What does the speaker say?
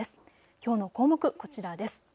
きょうの項目、こちらです。